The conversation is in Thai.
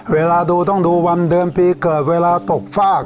เวลาดูต้องดูวันเดือนปีเกิดเวลาตกฟาก